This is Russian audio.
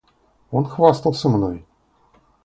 Он хвастался мной.